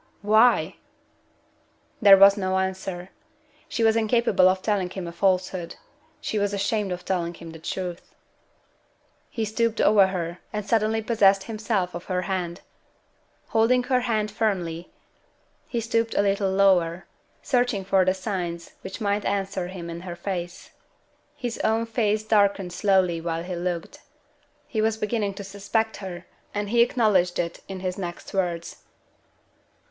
"Why?" There was no answer. She was incapable of telling him a falsehood. She was ashamed to tell him the truth. He stooped over her, and suddenly possessed himself of her hand. Holding her hand firmly, he stooped a little lower; searching for the signs which might answer him in her face. His own face darkened slowly while he looked. He was beginning to suspect her; and he acknowledged it in his next words.